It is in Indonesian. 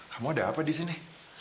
kamu ada apa di sini